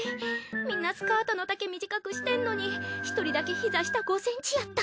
みんなスカートの丈短くしてんのに１人だけひざ下５センチやった。